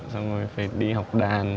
xong rồi phải đi học đàn